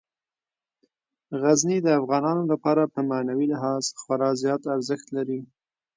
غزني د افغانانو لپاره په معنوي لحاظ خورا زیات ارزښت لري.